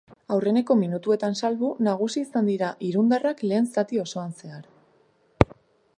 Aurreneko minutuetan salbu, nagusi izan dira irundarrak lehen zati osoan zehar.